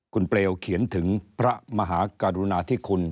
คุณเปลวเขียนถึงพระมหากรุณาธิคุณ